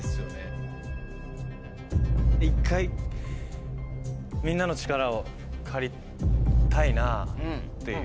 一回みんなの力を借りたいなぁっていう。